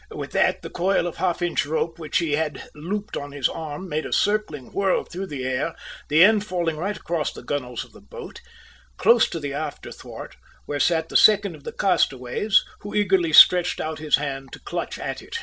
With that the coil of half inch rope which he held looped on his arm made a circling whirl through the air, the end falling right across the gunwales of the boat, close to the after thwart, where sat the second of the castaways, who eagerly stretched out his hand to clutch at it.